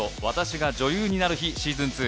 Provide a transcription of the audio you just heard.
『私が女優になる日＿』